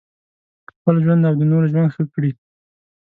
خپل ژوند او د نورو ژوند ښه کړي.